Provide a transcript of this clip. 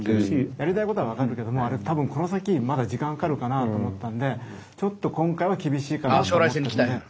やりたいことは分かるけどもうあれ多分この先まだ時間かかるかなあと思ったんでちょっと今回は厳しいかなと思ってるんで。